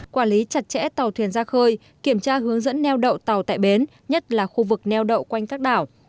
quản lý chặt chẽ tàu thuyền ra khơi kiểm tra hướng dẫn neo đậu tàu tại bến nhất là khu vực neo đậu quanh các đảo